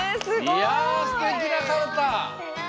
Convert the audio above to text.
いやすてきなかるた。